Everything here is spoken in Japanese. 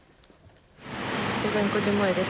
午前９時前です。